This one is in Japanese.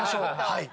はい。